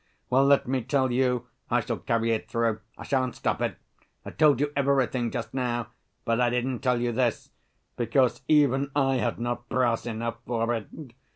Well, let me tell you, I shall carry it through. I shan't stop it. I told you everything just now, but I didn't tell you this, because even I had not brass enough for it.